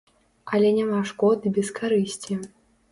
Але няма шкоды без карысці.